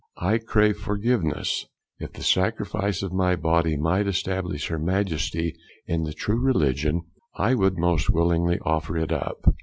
I crave forgiveness; if the sacrifice of my body might establish her Majesty in the true religion, I would most willingly offer it up.